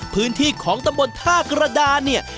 พื้นที่ของตำบลท่ากระดานเนี่ย